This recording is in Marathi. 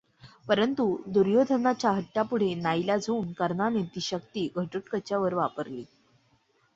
परंतु दुर्योधनाच्या हट्टापुढे नाइलाज होऊन कर्णाने ती शक्ती घटोत्कचावर वापरली.